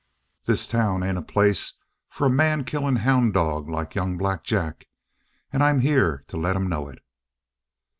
This town ain't a place for a man killing houn' dog like young Black Jack, and I'm here to let him know it!"